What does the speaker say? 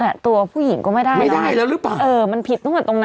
ไม่ใช่ไม่ใช่เสียงสัมภาษณ์พูดเสียหายปะ